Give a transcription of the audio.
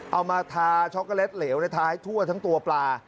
เอามาทาช็อกโกแลตเหลวในท้ายทั่วทั้งตัวปลา